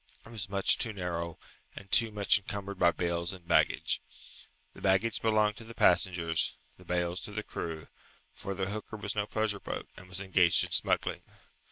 It was much too narrow and too much encumbered by bales and baggage. The baggage belonged to the passengers, the bales to the crew, for the hooker was no pleasure boat, and was engaged in smuggling.